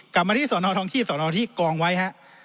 กลับมาที่สอนอทองที่สอนอที่กองไว้ครับ